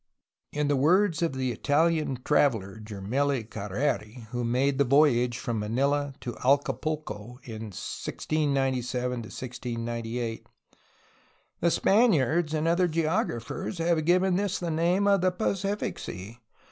In the words of the Italian traveler Gemelli Careri, who made the voyage from Manila to Acapulco in 1697 1698 : "The Spaniards and other geographers, have given this the name of the Pacific Sea.